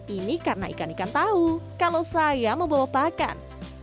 ini karena ikan ikan tahu kalau saya membawa pakan